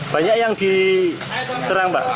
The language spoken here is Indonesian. banyak yang diserang pak